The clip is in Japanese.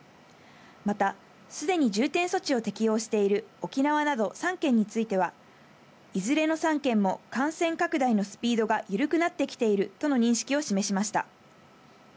またすでに重点措置を適用している沖縄など３県については、いずれの３県も感染拡大のスピードが緩くなってきているとの認識を示しました。